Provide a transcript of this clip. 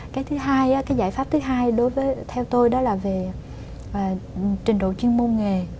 cái giải pháp thứ hai theo tôi đó là về trình độ chuyên môn nghề